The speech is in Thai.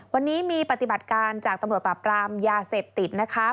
วันนี้มีปฏิบัติการจากตำรวจปราบปรามยาเสพติดนะคะ